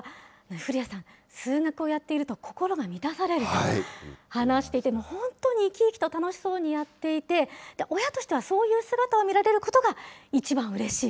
古屋さん、数学をやっていると心が満たされると話していて、本当に生き生きと楽しそうにやっていて、親としてはそういう姿を見られることが、一番うれしい。